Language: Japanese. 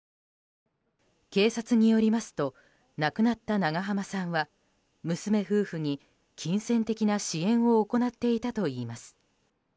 警察によりますと亡くなった長濱さんは娘夫婦に金銭的な支援を行っていたといいます。